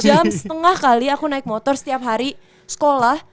dua jam setengah kali aku naik motor setiap hari sekolah